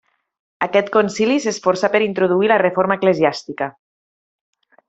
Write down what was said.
Aquest Concili s'esforçà per introduir la reforma eclesiàstica.